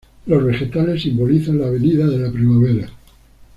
Los vegetales simbolizan la venida de la primavera.